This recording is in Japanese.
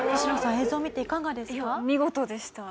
映像見ていかがですか？